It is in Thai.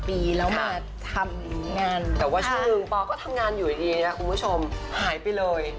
๗๘ปีแล้วมาทำงานแต่ว่าชื่อวิญญาณป่าก็ทำงานอยู่อย่างนี้นะคุณผู้ชมหายไปเลย